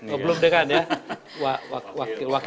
oh belum dekan ya